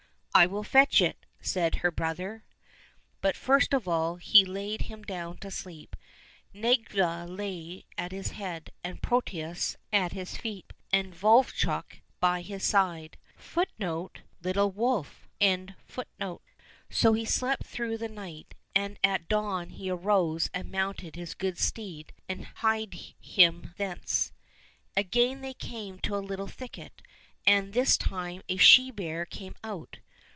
—" I will fetch it," said her brother. But first of all he laid him down to sleep. Nedviga lay at his head, and Protius at his feet, and Vovchok^ by his side. So he slept through the night, and at dawn he arose and mounted his good steed and hied him thence. Again they came to a little thicket, and this time a she bear came out.